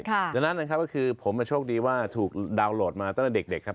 ดังนั้นนะครับก็คือผมโชคดีว่าถูกดาวน์โหลดมาตั้งแต่เด็กครับ